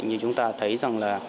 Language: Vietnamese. như chúng ta thấy rằng là